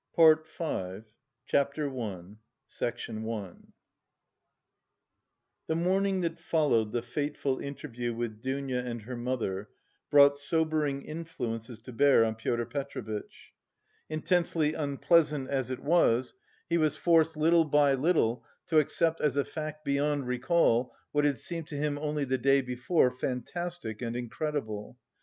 PART V CHAPTER I The morning that followed the fateful interview with Dounia and her mother brought sobering influences to bear on Pyotr Petrovitch. Intensely unpleasant as it was, he was forced little by little to accept as a fact beyond recall what had seemed to him only the day before fantastic and incredible.